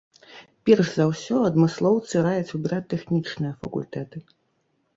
Перш за ўсё, адмыслоўцы раяць выбіраць тэхнічныя факультэты.